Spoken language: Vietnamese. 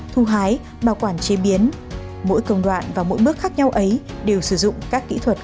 thu hái bảo quản chế biến mỗi công đoạn và mỗi bước khác nhau ấy đều sử dụng các kỹ thuật